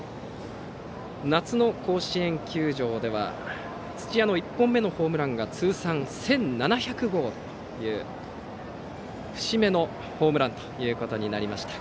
夏の甲子園球場では土屋の１本目のホームランが通算１７００号という節目のホームランとなりました。